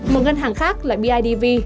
một ngân hàng khác là bidv